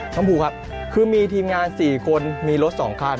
ชมพูครับคือมีทีมงาน๔คนมีรถ๒คัน